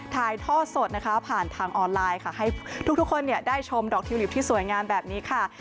ถ่ายทอดสดนะคะผ่านทางออนไลน์ค่ะให้ทุกคนได้ชมดอกทิวลิปที่สวยงามแบบนี้ค่ะ